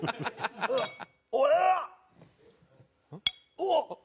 おっ！